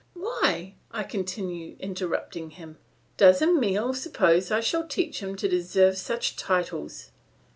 "Why!" I continue, interrupting him; "does Emile suppose I shall teach him to deserve such titles?"